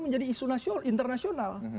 menjadi isu internasional